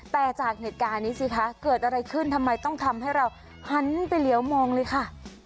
แต่จากเหตุการณ์นี้สิคะเกิดอะไรขึ้นทำไมต้องทำให้เราหันไปเหลียวมองเลยค่ะ